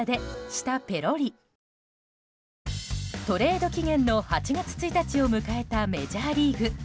トレード期限の８月１日を迎えたメジャーリーグ。